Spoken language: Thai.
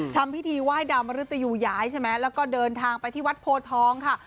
ทำพิธีไหว้ดาวมริตยูย้ายใช่ไหมแล้วก็เดินทางไปที่วัดโพทองค่ะ